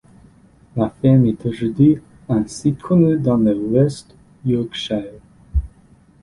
La ferme est aujourd'hui un site connu dans le West Yorkshire.